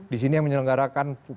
disini yang menyelenggarakan